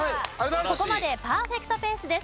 ここまでパーフェクトペースです。